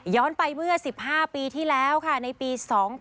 ย้อนไปเมื่อ๑๕ปีแล้วในปี๒๐๐๒